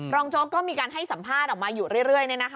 รองจกก็มีการให้สัมภาษณ์ออกมาอยู่เรื่อยเนี่ยนะคะ